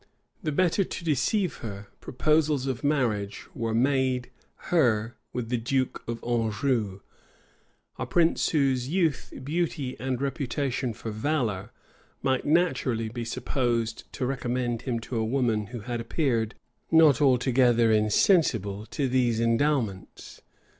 The better to deceive her, proposals of marriage were made her with the duke of Anjou; a prince whose youth, beauty, and reputation for valor might naturally be supposed to recommend him to a woman who had appeared not altogether insensible to these endowments.